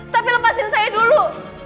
tapi lepasin saya dulu